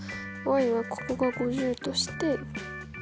はここが５０として。